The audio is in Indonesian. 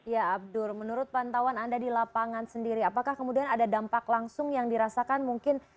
ya abdur menurut pantauan anda di lapangan sendiri apakah kemudian ada dampak langsung yang dirasakan mungkin